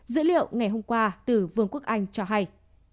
dữ liệu ngày hôm qua từ vương quốc anh cho hay